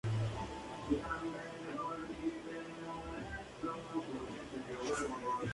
Esquivel, por esa razón, tuvo que entregarle el mando.